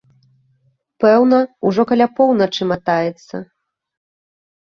Пэўна, ужо каля поўначы матаецца.